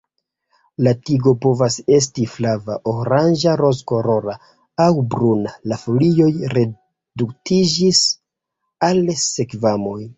La tigo povas estis flava, oranĝa, rozkolora aŭ bruna, la folioj reduktiĝis al skvamoj.